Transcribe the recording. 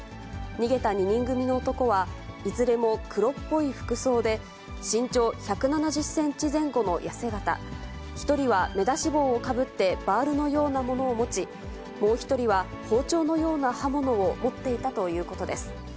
逃げた２人組の男は、いずれも黒っぽい服装で、身長１７０センチ前後の痩せ形、１人は目出し帽をかぶってバールのようなものを持ち、もう１人は包丁のような刃物を持っていたということです。